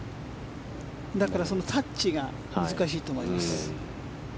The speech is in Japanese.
だからタッチが難しいと思います。